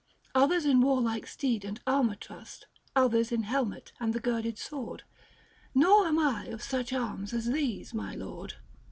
Others in warlike steed and armour trust, Others in helmet and the girded sword ; Nor am I of such arms as these the lord.